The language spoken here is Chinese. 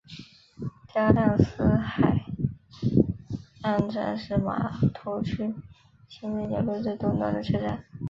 加量斯河岸站是码头区轻便铁路最东端的车站。